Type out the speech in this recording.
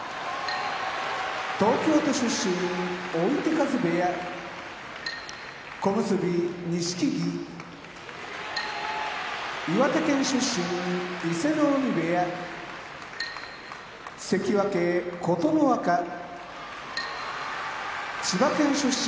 東京都出身追手風部屋小結・錦木岩手県出身伊勢ノ海部屋関脇・琴ノ若千葉県出身